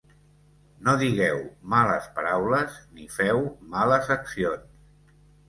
No digueu males paraules ni feu males accions.